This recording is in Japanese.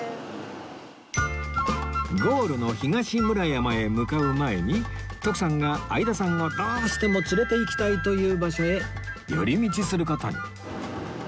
ゴールの東村山へ向かう前に徳さんが相田さんをどうしても連れていきたいという場所へ寄り道する事に